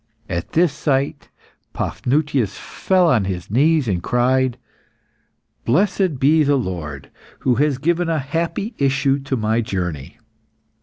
At this sight, Paphnutius fell on his knees, and cried "Blessed be the Lord, who has given a happy issue to my journey.